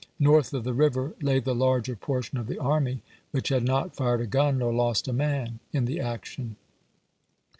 North of the river lay the larger portion of the army, which had not fired a gun nor lost a man in the action.